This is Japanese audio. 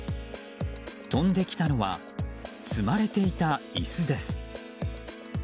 飛んできたのは積まれていた椅子です。